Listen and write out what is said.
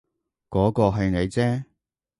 嗰個係你啫